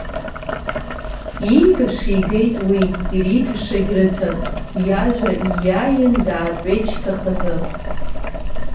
Иигаша игеит уи, ириҭашагь рыҭан, иажәра ииааин, даатәеит шьҭа хазы.